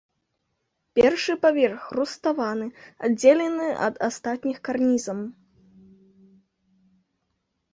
Першы паверх руставаны, аддзелены ад астатніх карнізам.